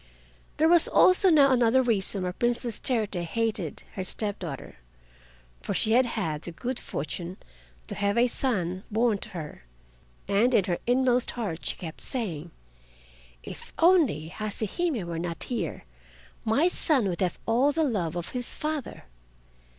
There was also now another reason why Princess Terute hated her step daughter, for she had had the good fortune to have a son born to her, and in her inmost heart she kept saying: "If only Hase Hime were not here, my son would have all the love of his father."